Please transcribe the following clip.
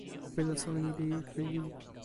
wile sona ni li ike lili.